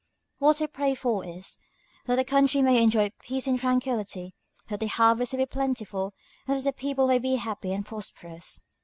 What I pray for is, that the country may enjoy peace and tranquillity, that the harvest may be plentiful, and that the people may be happy and prosperous."